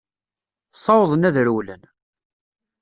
Ssawḍen ad rewlen.